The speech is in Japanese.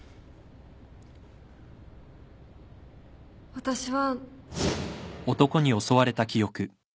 私は。